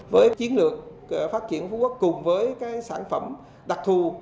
với chiến lược phát triển phú quốc cùng với sản phẩm đặc thù